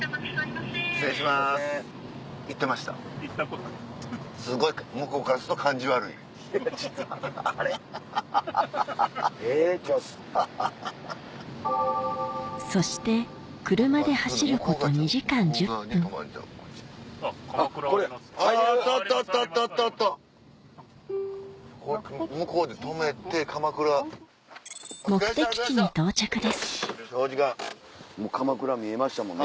目的地にかまくら見えましたもんね。